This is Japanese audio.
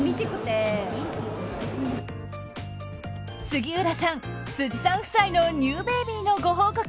杉浦さん、辻さん夫妻のニューベイビーのご報告